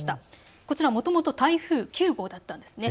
こちら、もともと台風９号だったんです。